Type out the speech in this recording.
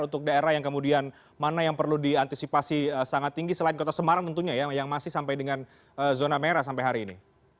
untuk daerah yang kemudian mana yang perlu diantisipasi sangat tinggi selain kota semarang tentunya ya yang masih sampai dengan zona merah sampai hari ini